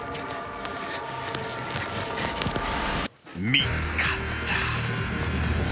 ［見つかった］